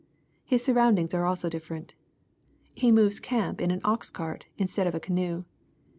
His surroundings are also different. He moves camp in an ox cart instead of a canoe..